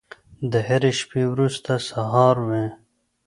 د هرې شپې وروسته سهار وي.